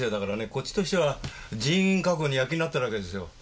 こっちとしては人員確保にやっきになってるわけですよ。